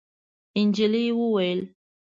نجلۍ وویل: